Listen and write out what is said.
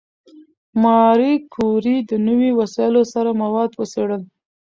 ماري کوري د نوي وسایلو سره مواد وڅېړل.